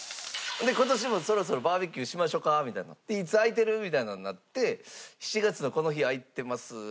今年もそろそろバーベキューしましょかみたいになっていつ空いてる？みたいなのになって「７月のこの日空いてます」。